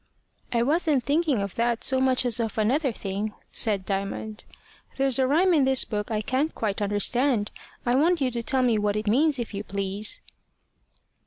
"I wasn't thinking of that so much as of another thing," said Diamond. "There's a rhyme in this book I can't quite understand. I want you to tell me what it means, if you please."